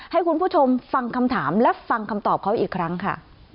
ให้คุณผู้ชมฟังคำถามและฟังคำตอบเขาอีกครั้งค่ะ